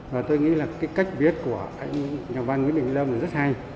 và tôi nghĩ là cái cách viết của các nhà văn nguyễn đình lâm là rất hay